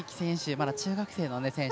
まだ中学生の選手。